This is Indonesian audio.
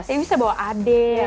ini bisa bawa adik